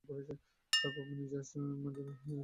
তার বাবা নিবাস চন্দ্র মাঝি একজন পুলিশ কর্মকর্তা।